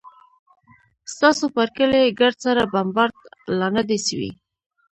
ستاسو پر کلي ګرد سره بمبارد لا نه دى سوى.